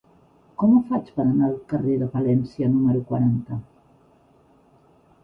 Com ho faig per anar al carrer de Palència número quaranta?